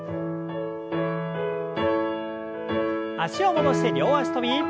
脚を戻して両脚跳び。